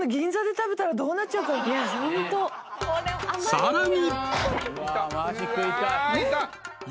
［さらに］